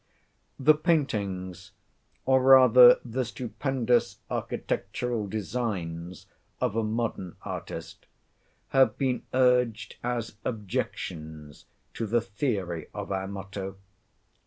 The paintings, or rather the stupendous architectural designs, of a modern artist, have been urged as objections to the theory of our motto.